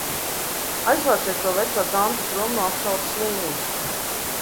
Aizvāciet to veco tanti prom no apšaudes līnijas!